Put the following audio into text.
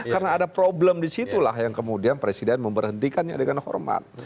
karena ada problem disitulah yang kemudian presiden memberhentikannya dengan hormat